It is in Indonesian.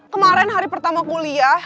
kemaren hari pertama kuliah